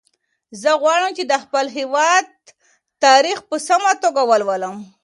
زه غواړم چې د خپل هېواد تاریخ په سمه توګه ولولم.